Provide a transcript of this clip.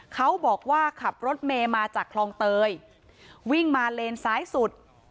เขาบอกว่าขับรถเมย์มาจากคลองเตยวิ่งมาเลนซ้ายสุด